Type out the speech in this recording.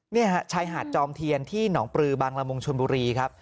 นี่ฮะชายหาดจอมเทียนที่หนองปลือบางละมุงชนบุรีครับ